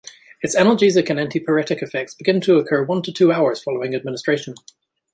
Its analgesic and antipyretic effects begin to occur one to two hours following administration.